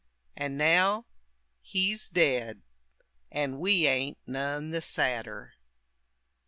And now he's dead, And we ain't none the sadder.